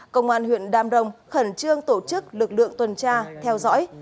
công an huyện đam rồng khẩn trương tổ chức lực lượng tuần tra theo dõi